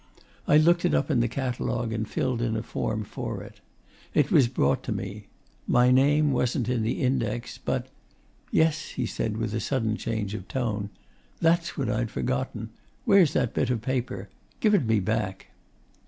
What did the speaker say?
I looked it up in the catalogue and filled in a form for it. It was brought to me. My name wasn't in the index, but Yes!' he said with a sudden change of tone. 'That's what I'd forgotten. Where's that bit of paper? Give it me back.